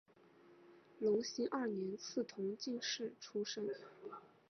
隆兴二年赐同进士出身。